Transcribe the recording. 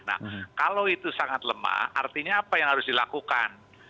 nah kalau itu sangat lemah artinya apa yang harus dilakukan